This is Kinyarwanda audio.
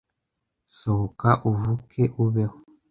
Sohoka, uvuke ubeho,